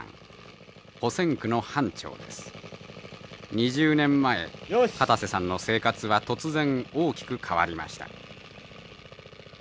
２０年前片瀬さんの生活は突然大きく変わりました。